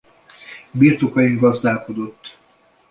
Birtokain gazdálkodott.